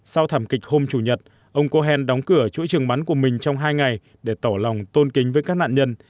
sau thảm kịch hôm chủ nhật ông cohen đóng cửa chuỗi trường bắn của mình trong hai ngày để tỏ lòng tôn kính với các nạn nhân